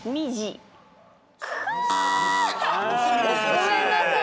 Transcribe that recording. ごめんなさい。